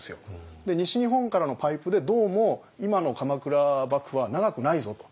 西日本からのパイプでどうも今の鎌倉幕府は長くないぞと。